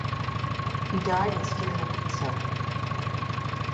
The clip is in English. He died in Skierniewice.